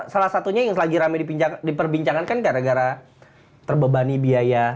salah satunya yang lagi rame diperbincangkan kan gara gara terbebani biaya